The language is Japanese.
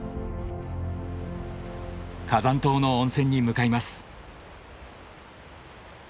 火山島の温泉に向かいます。